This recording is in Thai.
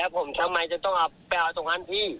แล้วผมทำไมจะต้องไปเอาตรงนั้นพี่